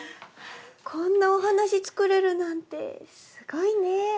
こんなお話作れるなんてすごいね。